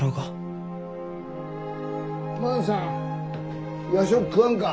万さん夜食食わんか？